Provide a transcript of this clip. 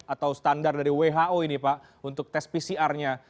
atau standar dari who ini pak untuk tes pcr nya